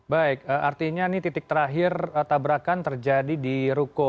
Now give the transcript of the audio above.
baik artinya ini titik terakhir tabrakan terjadi di ruko